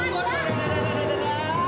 gila bener nah